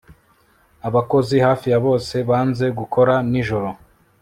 Abakozi hafi ya bose banze gukora nijoro